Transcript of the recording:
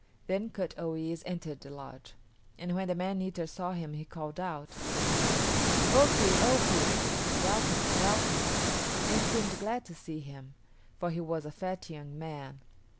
'" Then Kut o yis´ entered the lodge, and when the man eater saw him he called out, "Oki, oki!" (welcome, welcome!) and seemed glad to see him, for he was a fat young man.